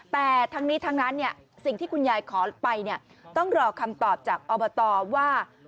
แต่ทั้งนี้ทั้งนั้นสิ่งที่คุณยายขอไปต้องรอคำตอบจากอบตว่า